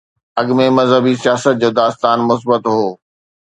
اڳ ۾ مذهبي سياست جو داستان مثبت هو.